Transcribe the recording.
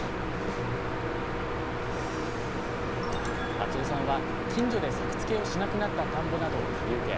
立生さんは近所で作付けをしなくなった田んぼなどを借り受け